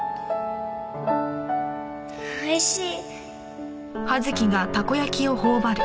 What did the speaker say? おいしい。